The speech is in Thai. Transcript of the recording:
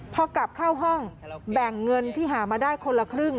พอกลับเข้าห้องแบ่งเงินที่หามาได้คนละครึ่ง